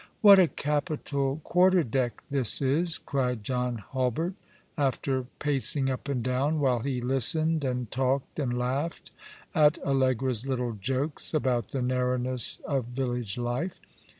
" What a capital quarter deck this is," cried John Hulbert, after pacing up and down while he listened, and talked, and laughed at Allegra's little jokes about the narrowness of village life.